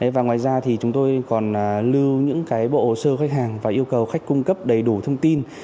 và ngoài ra thì chúng tôi còn lưu những bộ hồ sơ khách hàng và yêu cầu khách cung cấp đầy đủ thông tin